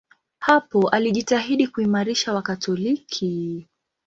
Hapo alijitahidi kuimarisha Wakatoliki.